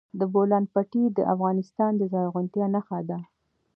د بولان پټي د افغانستان د زرغونتیا نښه ده.